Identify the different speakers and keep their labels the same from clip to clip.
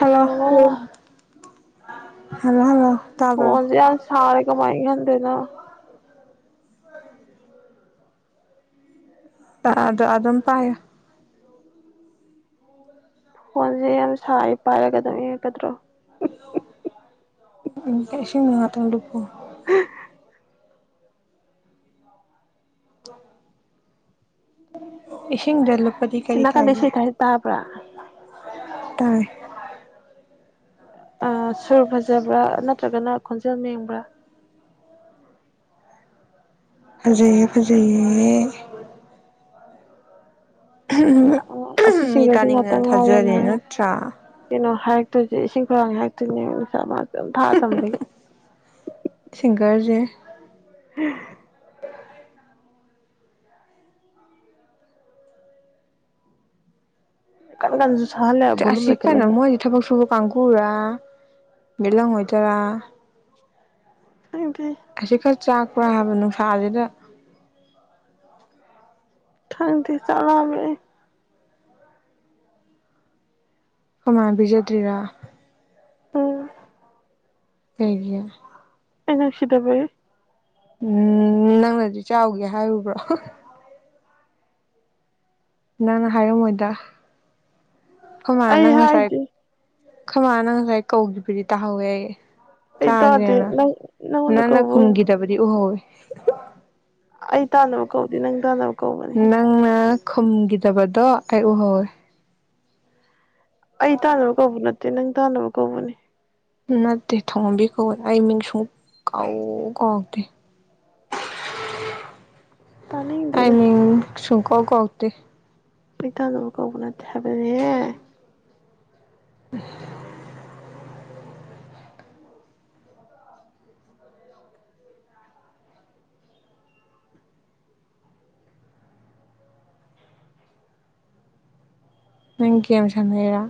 Speaker 1: hello hello hello ꯇꯥꯕ꯭ꯔꫭ ꯑꯥ ꯑꯥ ꯑꯗꯨ ꯑꯗꯨꯝ ꯄꯥꯏꯌꯨ
Speaker 2: ꯐꯣꯟꯁꯦ ꯌꯥꯝ ꯁꯥꯏ ꯄꯥꯏꯔꯒ ꯑꯗꯨꯝ ꯏꯤꯟꯉꯥꯡꯀꯗ꯭ꯔꯣ
Speaker 1: ꯏꯁꯤꯡꯗ ꯉꯍꯥꯛꯇꯪ ꯂꯨꯞꯄꫭ ꯏꯁꯤꯡꯗ ꯂꯨꯞꯄꯗꯤ ꯀꯔꯤ ꯀꯥꯏꯒꯦ ꯇꯥꯏ
Speaker 2: ꯑꯥ ꯁꯨꯔ ꯐꯖꯕ꯭ꯔꯥ ꯅꯠꯇ꯭ꯔꯒꯅ ꯈꯣꯟꯖꯦꯜ ꯃꯦꯡꯕ꯭ꯔꯥ
Speaker 1: ꯐꯖꯩꯌꯦ ꯐꯖꯩꯌꯦ
Speaker 2: ꯑ ꯑꯁꯤ ꯁꯤꯁꯤꯡꯒꯥꯗꯤ ꯉꯥꯛꯇꯪ ꯉꯥꯏꯔꯅꯤ ꯍꫭꯔꯦꯟ ꯀꯩꯅꯣ ꯍꯥꯏꯔꯛꯇꯣꯏꯁꯦ ꯏꯁꯤꯡ ꯈꯧꯔꯥꯡꯉꯦ ꯍꯥꯏꯔꯛꯇꯣꯏꯅꯦ [unintelligible] ꯁꯝ ꯊꯥ ꯊꯝꯕꯤꯏ
Speaker 1: [unintelligible] ꯑꯁꯤ ꯀꯟꯅ ꯃꯣꯏ ꯊꯕꯛ ꯁꯨꯕ ꯀꯥꯡꯒꯨꯔꯥ ꯃꯤꯂꯪ ꯑꯣꯏꯗ‌ꯣꯏꯔꯥ
Speaker 2: [unintelligible]
Speaker 1: ꯑꯁꯤ ꯈꯔ ꯆꯥꯛꯄ꯭ꯔꯥ ꯍꯥꯏꯕ ꯅꯨꯡꯁꯥꯁꯤꯗ
Speaker 2: ꯈꯪꯗ‌ꯦ ꯆꯥꯛ ꯂꯥꯝꯃ‌ꯦ ꯑꯩ
Speaker 1: ꯈ‌ꯣꯃꯥꯟ ꯄꯤꯖꯗ꯭ꯔꯤꯔꯥ
Speaker 2: ꯎꯝ
Speaker 1: ꯀꯩꯒꯤ ꯎꯝ ꯅꯪꯅ ꯆꯥꯎꯒꯦ ꯍꯥꯏꯔꯨꯕ꯭ꯔꯣ ꯅꯪꯅ ꯍꯥꯏꯔꯝꯃꯣꯏꯗ ꯈ‌ꯣꯃꯥꯅ ꯅꯪ ꯉꯁꯥꯏ ꯈ‌ꯣꯏꯃꯥꯟꯅ ꯉꯁꯥꯏ ꯀꯧꯈꯤꯕꯗꯤ ꯇꯥꯍꯧꯋꯦ ꯑꯩ ꯆꯥꯖ‌ꯦꯅ ꯅꯪꯅ ꯈꯨꯝꯈꯤꯗꯕꯗꯤ ꯎꯍꯧꯋ‌ꯦ ꯅꯪꯅ ꯈꯨꯝꯈꯤꯗꯕꯗꯣ ꯑꯩ ꯎꯍꯧꯋꯦ
Speaker 2: ꯑꯩ ꯇꯥꯟꯅꯕ ꯀꯧꯕ ꯅꯠꯇꯦ ꯅꯪ ꯇꯥꯟꯅꯕ ꯀꯧꯕꯅꯤ
Speaker 1: ꯅꯠꯇꯦ ꯊ‌ꯣꯝꯕꯤ ꯀꯧꯋ‌ꯦ ꯑꯩ ꯃꯤꯡ ꯁꯨꯡ ꯀꯧ ꯀꯧꯔꯛꯇ‌ꯦ ꯑꯩ ꯃꯤꯡ ꯁꯨꯡꯀꯧ ꯀꯧꯔꯛꯇ‌ꯦ
Speaker 2: ꯑꯩ ꯇꯥꯅꯕ ꯀꯧꯕ ꯅꯠꯇ‌ꯦ ꯍꯥꯏꯕꯅꯦ
Speaker 1: [unintelligible] ꯅꯪ ꯒꯦꯝ ꯁꯥꯟꯅꯩꯔꯥ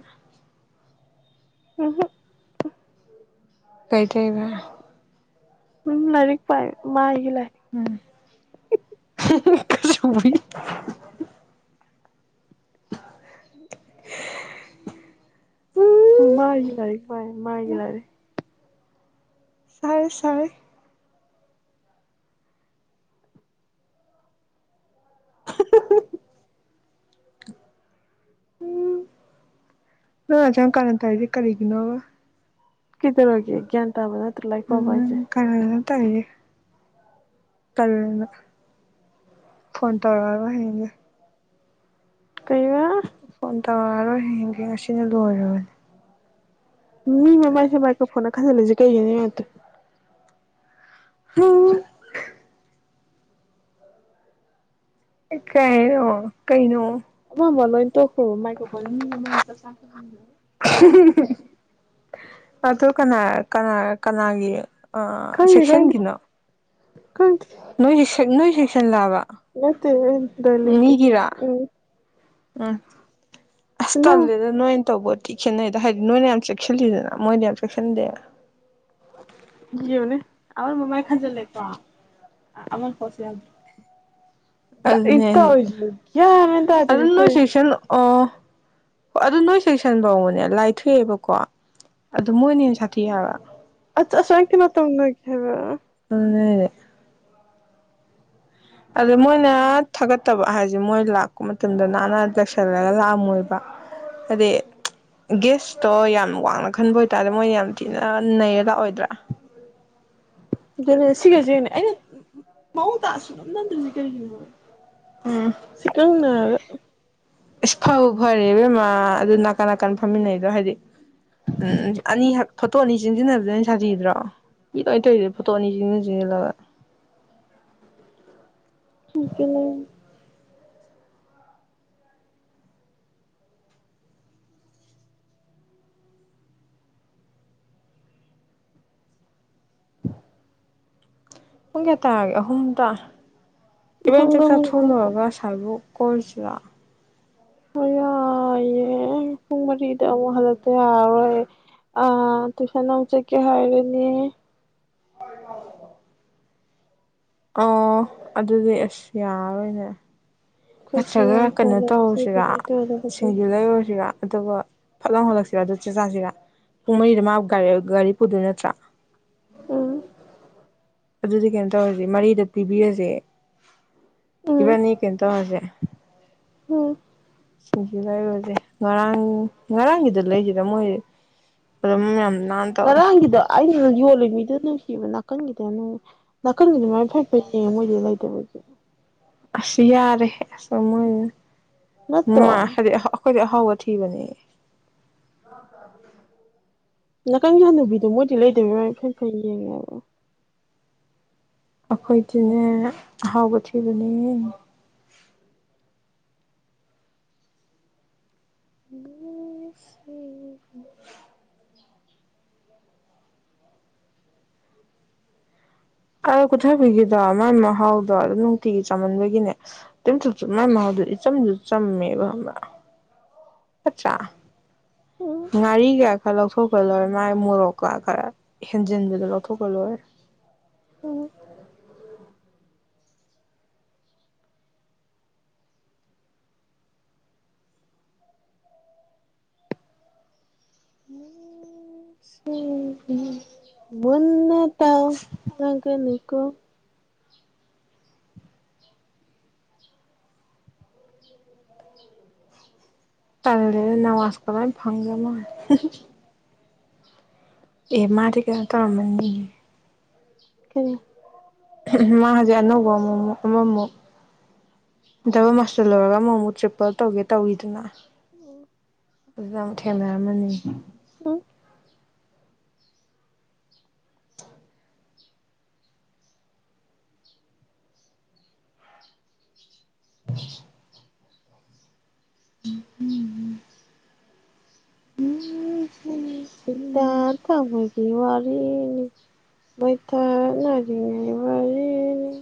Speaker 2: ꯎꯝꯍꯨ [unintelligible]
Speaker 1: ꯀꯩ ꯇꯧꯏꯕ
Speaker 2: ꯎꯝ ꯂꯥꯏꯔꯤꯛ ꯃꯥꯏꯒꯤ ꯂꯥꯏ
Speaker 1: [unintelligible] [unintelligible]
Speaker 2: ꯃꯥꯏꯒꯤ ꯂꯥꯏꯔꯤꯛ ꯄꯥꯏ ꯃꯥꯥꯏꯒꯤ ꯂꯥꯏꯔꯤꯛ
Speaker 1: ꯁꯥꯏ ꯁꯥꯏ ꯎꯝ ꯅꯪ ꯑꯁꯌꯥꯝ ꯀꯥꯔꯟ ꯇꯥꯏꯖꯤ ꯀꯔꯤꯒꯤꯅꯣꯕ [unintelligible] ꯀꯅꯅ ꯇꯧꯏꯖ‌ꯦ [unintelligible] ꯇꯜꯂꯨꯅꯨ ꯐꯣꯟ ꯇꯧꯔꯛꯑꯔ‌ꯣꯏ ꯍꯌꯦꯡꯒꯩ
Speaker 2: ꯀꯩꯕ
Speaker 1: ꯐꯣꯟ ꯇꯧꯔꯛꯑꯔꯣꯏ ꯍꯌꯦꯡꯒꯩ ꯉꯁꯤꯅ ꯂꯣꯏꯔꯕꯅꯦ
Speaker 2: ꯃꯤ ꯃꯃꯥꯏ ꯁꯦ ꯃꯥꯏ ꯀꯔꯐꯣꯟꯅ ꯈꯟꯖꯤꯜꯂꯤꯁ‌ꯦ ꯀꯩꯒꯤꯅ‌ꯣ ꯌ‌ꯦꯡꯉꯨꯇꯨ
Speaker 1: ꯍ [unintelligible] ꯀꯥꯏꯅꯣ ꯀꯩꯅꯣ [unintelligible] [unintelligible] ꯑꯗꯨ ꯀꯅꯥ ꯀꯅꯥ ꯀꯅꯥꯒꯤ ꯁꯦꯛꯁꯟꯒꯤꯅꯣ ꯅꯣꯏꯁ ꯅꯣꯏ ꯁꯦꯛꯁꯟ ꯂꯥꯕ
Speaker 2: ꯅꯠꯇ‌ꯦꯍ‌ꯦ ꯗ‌ꯣꯂꯤꯒꯤ [unintelligible]
Speaker 1: ꯎꯝ ꯑꯁ ꯇꯜꯂ‌ꯦꯗ ꯅꯣꯏꯟ ꯇꯧꯕ ꯊꯤ ꯈꯦꯠꯅꯩꯗ ꯍꯥꯏꯗꯤ ꯅꯣꯏꯅ ꯌꯥꯝ ꯆꯦꯛꯁꯤꯜꯂꯤꯗꯅ ꯃꯣꯏꯗꯤ ꯌꯥꯝ ꯆꯦꯛꯁꯤꯟꯗꯦ [unintelligible] ꯑꯃ ꯃꯃꯥꯏ ꯈꯖꯜꯂꯦꯀꯣ ꯑꯃ [unintelligible] ꯑꯗꯨꯅ‌ꯦ ꯑꯗꯨ ꯁ‌ꯦꯛꯁꯟ ꯑꯣ ꯑꯗꯨ ꯅꯣꯏ ꯁꯦꯛꯁꯟ ꯐꯥꯎꯕꯅꯦ ꯂꯥꯏꯊꯣꯛꯑꯦꯕꯀꯣ ꯑꯗꯨ ꯃꯣꯏꯅ ꯍ‌ꯦꯟꯅ ꯁꯥꯊꯤ ꯍꯥꯏꯕ ꯗꯨ ꯅꯦ [unintelligible] ꯑꯗ ꯃꯣꯏꯅ ꯊꯥꯒꯠꯇꯕ ꯍꯥꯏꯖ‌ꯦ ꯃꯣꯏ ꯂꯥꯛꯄ ꯃꯇꯝꯗ ꯅꯥꯟꯅ ꯂꯩꯁꯜꯂꯒ ꯂꯥꯛꯑꯝꯃꯣꯏꯕ ꯍꯥꯗꯤ [unintelligible] ꯒꯦꯁꯇꯣ ꯌꯥꯝ ꯋꯥꯡꯅ ꯈꯟꯕ ꯑꯣꯏꯇꯥꯔꯗꯤ ꯃꯣꯏꯅ ꯌꯥꯝ ꯊꯤꯅ ꯅꯩꯔ ꯂꯥꯛꯑꯣꯏꯗ꯭ꯔꯥ
Speaker 2: [unintelligible] ꯁꯤꯒꯖꯤ ꯑꯩꯅ ꯃꯑꯣꯡ ꯇ [unintelligible]
Speaker 1: [unintelligible] ꯀꯩꯒꯤꯅꯣ ꯁꯤꯀꯪꯅꯔꯒ ꯑꯁ ꯐ ꯕꯨ ꯐꯔꯦ ꯏꯕꯦꯝꯃꯥ ꯑꯗꯨ ꯅꯥꯀꯟ ꯅꯥꯀꯟ ꯐꯝꯃꯤꯟꯅꯩꯗꯣ ꯍꯥꯏꯗꯤ ꯎꯝ ꯑꯅꯤ ꯐꯣꯇꯣ ꯑꯅꯤ ꯆꯦꯟꯁꯤꯟꯅꯕꯗꯩꯅ ꯁꯥꯊꯤꯗ꯭ꯔꯣ ꯃꯤ ꯂꯣꯏ ꯇꯧꯋꯤ ꯄꯣꯅꯤꯁꯤꯡꯅꯖꯤ ꯂ [unintelligible]
Speaker 2: [unintelligible]
Speaker 1: ꯄꯨꯡ ꯀꯌꯥ ꯇꯔꯒꯦ ꯑꯍꯨꯝ ꯇ ꯏꯕꯥꯟꯤ ꯆꯥꯛꯆꯥꯥ ꯊꯣꯂꯨꯔꯒ ꯑꯁꯥꯏꯕꯨ ꯀꯣꯔꯨꯁꯤꯔ
Speaker 2: ꯍꯣꯏ ꯌꯥꯌꯦ ꯄꯨꯡ ꯃꯔꯤꯗ ꯑꯃꯨꯛ ꯍꯜꯂꯛꯇ ꯌꯥꯔꯣꯏ ꯑꯩ ꯑ ꯇꯨꯁꯅ ꯑꯃꯨꯛ ꯆꯠꯀꯦ ꯍꯥꯏꯔꯅꯤ
Speaker 1: ꯍꯣꯏ [unintelligible] ꯑꯣ ꯑꯗꯨꯗꯤ ꯑꯁ ꯌꯥꯔꯣꯏꯅꯦ ꯅꯠ꯭ꯔꯒ ꯀꯩꯅꯣ ꯇꯧꯔꯨꯁꯤꯔ ꯁꯤꯡꯖꯨ ꯂꯩꯔꯨꯁꯤꯔꯥ ꯑꯗꯨꯒ ꯐꯠꯂꯥꯎ ꯍꯠꯂꯛꯁꯤꯔꯥ ꯑꯗꯨ ꯆꯦ ꯆꯥꯛꯁꯤꯔ ꯄꯨꯡ ꯃꯔꯤꯗ ꯃꯥꯒꯥ ꯒꯥꯔꯤ ꯄꯨꯗꯣꯏ ꯅꯠꯇ꯭ꯔꯥ
Speaker 2: ꯑ ꯎꯝ [unintelligible]
Speaker 1: ꯁꯦ ꯋ [unintelligible]
Speaker 2: ꯍꯝ
Speaker 1: ꯁꯤꯡꯖ ꯂꯔꯁꯦ ꯉꯔꯥꯡ ꯉꯔꯥꯡꯒꯤꯗ ꯂꯩꯁꯤꯔ ꯃꯣꯏ
Speaker 2: ꯎ ꯉꯔꯥꯡꯒꯤꯗꯣ ꯑꯩꯅ ꯌꯣꯜꯂꯤ ꯃꯤꯗꯨ ꯅꯨꯡꯁꯤꯕ ꯅꯥꯀꯟꯒꯤꯗꯅꯨꯡ ꯅꯥꯀꯟꯒꯤ ꯗꯨ ꯃꯥꯏ ꯐꯦꯠ ꯐꯦꯠꯅꯦ ꯃꯣꯏꯗꯤ ꯂꯩꯇꯥꯕꯒꯤ
Speaker 1: ꯑꯁ ꯌꯥꯔꯦ ꯑꯁ ꯃꯣꯏ ꯉꯥ ꯍꯥꯏꯔꯤ ꯑꯥ ꯑꯈꯣꯏꯗꯤ ꯑꯍꯥꯎꯕ ꯊꯤꯕꯅꯦ
Speaker 2: ꯅꯥꯀꯟꯒꯤ ꯍꯅꯨꯕꯤꯗꯣ ꯃꯣꯏꯗꯤ ꯂꯩꯗꯕꯩ ꯐꯩ ꯐꯩ ꯌꯦꯡꯉꯦ ꯍꯥꯏꯕ
Speaker 1: ꯑꯈꯣꯏꯗꯤꯅꯦ ꯑꯍꯥꯎꯕ ꯊꯤꯕꯅꯦ ꯅꯨꯁꯤ ꯑꯥ ꯀꯨꯊꯕꯤꯒꯤꯗꯣ ꯃꯥꯥꯏ ꯃꯍꯥꯎꯗꯣ ꯑꯗꯨꯝ ꯅꯨꯡꯇꯤꯒꯤ ꯆꯥꯃꯟꯕꯒꯤꯅꯦ ꯇꯨꯝ ꯆꯨꯞ ꯆꯨꯞ ꯃꯥꯏ ꯃꯍꯥꯎꯗꯨꯗꯤ ꯏꯆꯝꯁꯨ ꯆꯝꯃꯦꯕ ꯈꯪꯕ꯭ꯔꯥ ꯑꯠꯆꯥ ꯉꯥꯔꯤ ꯒꯥ ꯈꯔ ꯂꯧꯊꯣꯛꯈ꯭ꯔꯥ ꯂꯣꯏꯔꯦ ꯃꯥꯥꯏ ꯃꯣꯔꯣꯛꯀꯥ ꯈꯔ ꯍꯦꯟꯖꯤꯟꯕꯗꯨ ꯂꯧꯊꯣꯛ ꯄꯥ ꯂꯣꯏꯔꯦ ꯁꯨꯡ [unintelligible]
Speaker 2: ꯃꯨꯟꯅ ꯇꯥꯎ ꯂꯥꯡꯉꯒꯅꯨꯀꯣ
Speaker 1: ꯇꯟꯂꯦꯗꯥ ꯅꯋꯥꯖ ꯀꯃꯥꯏ ꯐꯪ [unintelligible] ꯑꯦ ꯃꯥꯗꯤ ꯀꯩꯅꯣ ꯇꯧꯔꯝꯃꯅꯤꯌꯦ
Speaker 2: ꯎꯝ
Speaker 1: ꯃꯥ ꯍꯧꯖꯤꯛ ꯑꯅꯧꯕ ꯑꯃꯃꯨꯛ ꯑꯃꯃꯨꯛ ꯗꯕꯜ ꯃꯥꯁꯇ꯭ꯔ ꯂꯣꯏꯔꯒ ꯑꯃꯃꯨꯛ ꯇ꯭ꯔꯤꯄꯜ ꯇꯧꯒꯦ ꯇꯧꯔꯤꯗꯨꯅ ꯗꯪ ꯊꯦꯡꯅꯔꯝꯃꯅꯤꯅꯦ [inaudible] ꯎ [unintelligible]
Speaker 2: ꯏꯇꯥ ꯊꯥꯎꯃꯩꯒꯤ ꯋꯥꯔꯤꯅꯤ ꯃꯣꯏꯊꯥꯞ ꯅꯥꯏꯔꯤꯉꯩ ꯋꯥꯔꯤꯅꯤ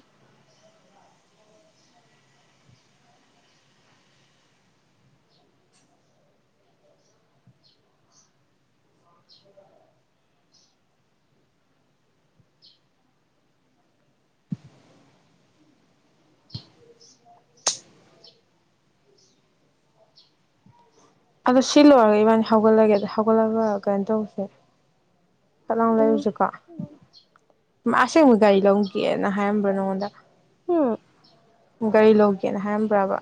Speaker 1: ꯑꯗꯣ ꯁꯤ ꯂꯣꯏꯔꯒ ꯏꯕꯥꯅꯤ ꯍꯧꯒꯠꯂꯒꯦꯗ ꯍꯧꯒꯠꯂꯒ ꯀꯩꯅꯣ ꯇꯧꯁꯦ ꯐꯠ ꯂꯥꯎꯅ ꯂꯩꯔꯨꯁꯦꯀꯣ ꯑꯁꯦꯡꯕ ꯒꯥꯔꯤ ꯂꯧꯒꯦꯅ ꯍꯥꯏꯔꯝꯕ꯭ꯔꯣ ꯅꯉꯣꯟꯗ ꯒꯥꯔꯤ ꯂꯧꯒꯦꯅ ꯍꯥꯏꯔꯝꯕ꯭ꯔꯥꯕ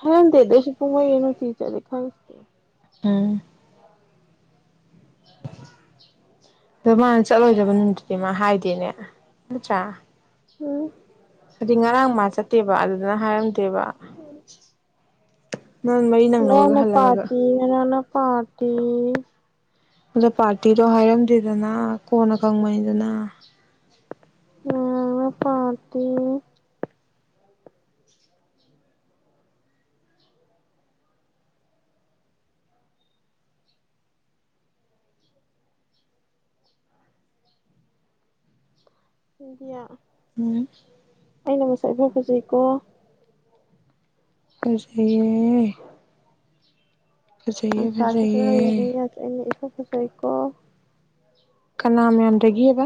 Speaker 2: ꯍꯥꯏꯔꯝꯗꯦꯗ ꯑꯩꯁꯨ ꯄꯨꯡ ꯃꯔꯤꯗ ꯅꯨꯡꯇꯤꯒꯤ ꯆꯠꯂꯦ ꯈꯪꯉꯦ
Speaker 1: ꯎꯝ ꯑꯗꯣ ꯃꯥꯅ ꯆꯠꯂꯣꯏꯗꯕ ꯅꯨꯃꯤꯠꯇꯨꯗꯤ ꯃꯥ ꯍꯥꯏꯗꯦꯅꯦ ꯅꯠꯇ꯭ꯔꯥ
Speaker 2: ꯎꯝ
Speaker 1: ꯉꯔꯥꯡ ꯃꯥ ꯆꯠꯇꯦꯕ ꯑꯗꯨꯗꯅ ꯍꯥꯏꯔꯝꯗꯦꯕ
Speaker 2: ꯉꯔꯥꯡꯅ ꯄꯥꯔꯇꯤ ꯉꯔꯥꯡꯅ ꯄꯥꯔꯇꯤ
Speaker 1: ꯑꯗꯣ ꯄꯥꯔꯇꯤꯗꯣ ꯍꯥꯏꯔꯝꯗꯦꯗꯅ ꯀꯣꯟꯅ ꯈꯪꯕꯅꯤꯗꯅ
Speaker 2: ꯑꯥ ꯄꯥꯔꯇꯤ ꯏꯟꯗꯤꯌꯥ ꯑꯩꯅ ꯃꯁꯛ ꯏꯐꯥ ꯐꯖꯩꯀꯣ
Speaker 1: ꯐꯖꯩꯌꯦ
Speaker 2: [unintelligible] ꯑꯩꯅ ꯏꯐꯥ ꯐꯥꯖꯩꯀꯣ
Speaker 1: ꯀꯅꯥ ꯃꯌꯥꯝꯗꯒꯤꯕ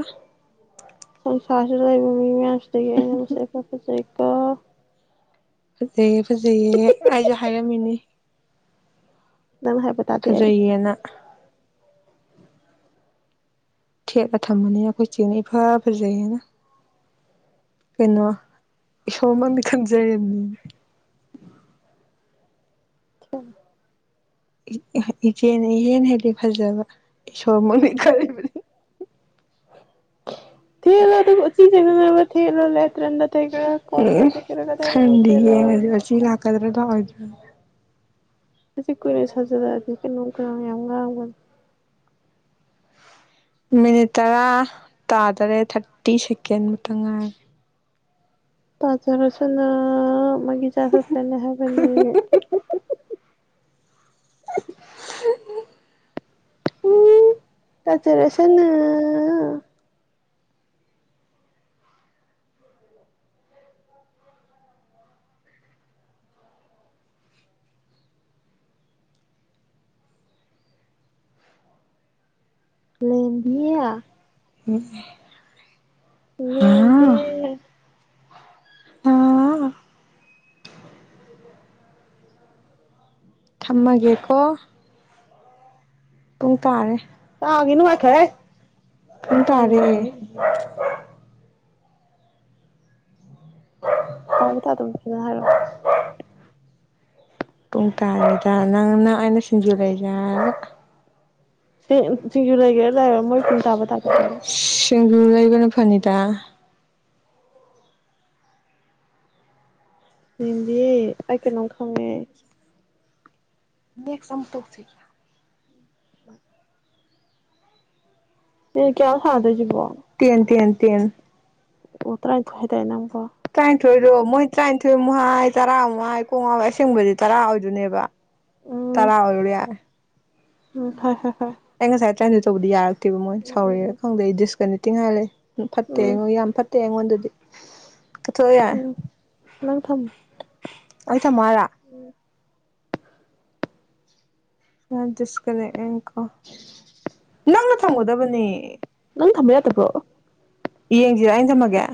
Speaker 2: ꯁꯪꯁꯥꯔꯁꯤꯗ ꯂꯩꯕ ꯃꯤ ꯃꯌꯥꯝꯁꯤꯗꯒꯤ ꯑꯩꯅ ꯃꯤ ꯃꯁꯛ ꯏꯐꯥ ꯐꯥꯖꯩꯀꯣ ꯎ [unintelligible] ꯅꯪꯅ ꯍꯥꯏꯕ ꯇꯥꯗꯦ ꯑꯩ
Speaker 1: ꯊꯦꯠꯂꯥ ꯊꯝꯃꯨꯅꯦ ꯑꯈꯣꯏ ꯆꯦꯅ ꯏꯐꯥ ꯐꯥꯖꯩꯅ ꯀꯩꯅꯣ ꯏꯁꯣꯔꯃꯛꯅꯤ ꯈꯟꯖꯔꯦꯗꯅ
Speaker 2: ꯑ [inaudible]
Speaker 1: ꯏ-ꯏꯆꯦꯅ ꯏꯍꯦꯟ ꯍꯦꯟꯂꯤ ꯐꯖꯕ ꯏꯁꯣꯔꯃꯛꯅꯤ ꯈꯜꯂꯤꯕ [unintelligible] ꯈꯪꯗꯦ ꯌꯦꯡꯉꯥꯖꯦ ꯆꯤ ꯂꯥꯛꯀꯥꯗ꯭ꯔꯥ ꯂꯥꯛꯑꯣꯏꯗ꯭ꯔꯥ
Speaker 2: ꯗꯨꯗꯤ ꯀꯨꯏꯅ ꯁꯥꯖꯤꯟꯂꯛ ꯑꯗꯤ ꯀꯩꯅꯣꯝ ꯀꯩꯌꯥꯝ ꯉꯥꯡꯕꯥꯅꯦ
Speaker 1: ꯃꯤꯅꯤꯠ ꯇꯔꯥ ꯇꯥꯗꯥꯔꯦ ꯊꯥꯔꯇꯤ ꯁꯦꯀꯦꯟ ꯃꯨꯛꯇꯪ ꯉꯥꯏꯔꯦ
Speaker 2: ꯇꯥꯖꯥꯔꯁꯅꯣ ꯃꯥꯒꯤ ꯆꯥ ꯊꯣꯛ ꯆꯥ ꯅꯥꯍꯥꯕꯅꯦ ꯇꯖꯔꯁꯦꯅ ꯂꯦꯕꯤꯌꯥ
Speaker 1: ꯎꯝ
Speaker 2: ꯃꯤ ꯄ
Speaker 1: ꯊꯝꯃꯒꯦꯀꯣ ꯄꯨꯡ ꯇꯥꯔꯦ ꯄꯨꯡ ꯇꯥꯔꯦ
Speaker 2: ꯀꯥꯎ ꯀ ꯊ ꯑꯗꯨ ꯐ ꯍꯥꯏꯔꯣ
Speaker 1: ꯄꯨꯡ ꯇꯥꯔꯦꯗ ꯅꯪ ꯅꯪ ꯑꯩꯅ ꯁꯤꯡꯖꯨ ꯂꯩꯖꯥ ꯆ ꯂꯩꯒ ꯂ ꯁꯤꯡꯖꯨ ꯂꯩꯕꯅ ꯐꯅꯤꯗ
Speaker 2: ꯦꯝꯕꯤ ꯑꯩꯥꯏ ꯀꯩꯅꯣꯝ ꯈꯪꯉꯦ [inaudible]
Speaker 1: ꯀꯌꯥꯗ ꯇꯦꯟ ꯇꯦꯟ ꯇꯦꯟ ꯇꯔꯥꯅꯤꯊꯣꯏꯗꯣ ꯃꯣꯏ ꯇꯔꯥꯅꯤꯊꯣꯏꯃꯨ ꯍꯥꯏ ꯇꯔꯥꯃꯨ ꯍꯥꯏ ꯄꯨꯡꯉꯥꯎ ꯑꯁꯦꯡꯕꯗꯤ ꯇꯔꯥ ꯑꯣꯏꯗꯣꯏꯅꯦꯕ ꯇꯔꯥ ꯑꯣꯏꯔꯣ ꯌꯥꯔ
Speaker 2: ꯎꯝ ꯐ ꯐ ꯐ
Speaker 1: ꯑꯩ ꯉꯁꯥꯏ ꯇ꯭ꯔꯥꯏꯁꯨ ꯇꯧꯕꯗꯤ ꯌꯥꯔꯛꯇꯦꯕ ꯃꯣꯏ ꯁꯥꯎꯔꯛꯦ ꯈꯪꯗꯦ ꯑꯩ ꯗꯤꯁꯀꯅꯦꯛꯇꯤꯡ ꯍꯥꯏꯔꯂꯦ ꯐꯠꯇꯦ ꯑꯩꯉꯣꯟ ꯌꯥꯝ ꯐꯦ ꯑꯩꯉꯣꯟꯗꯗꯤ
Speaker 2: ꯊꯝ ꯊ
Speaker 1: ꯂ ꯇꯁꯀꯅꯤꯦ ꯏꯪꯀꯣ ꯅꯪꯅ ꯊꯝꯒꯗꯕꯅꯦ ꯌꯦꯡꯖꯔ ꯑꯟ ꯆꯃꯒꯦ